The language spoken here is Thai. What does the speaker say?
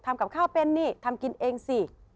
ทำกับข้าวเป็นนี่ทำกินเองสิ